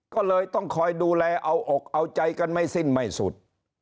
ก็เลยต้องคอยดูแลเอาอกเอาใจกันไม่สิ้นไม่สุด